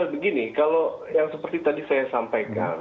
begini kalau yang seperti tadi saya sampaikan